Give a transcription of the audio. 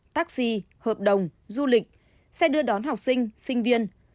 taxi hợp đồng du lịch xe đưa đón học sinh sinh viên